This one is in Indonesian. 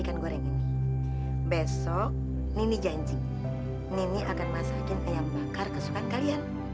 karena dari arah pantai